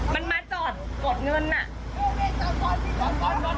มันมันมันออกจากนี่แล้วแล้วมันก็ชนกระถางเราก่อนมันออกไม่ได้มันก็ถอยให้หัก